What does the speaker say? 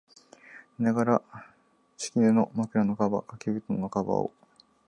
寝ながら、敷布、枕のカバー、掛け蒲団のカバーを、